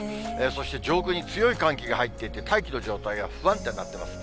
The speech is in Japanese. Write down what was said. そして、上空に強い寒気が入っていて、大気の状態が不安定になってます。